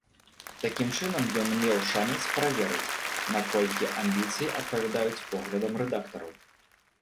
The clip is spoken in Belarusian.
Такім чынам ён меў шанец праверыць, наколькі амбіцыі адпавядаюць поглядам рэдактараў.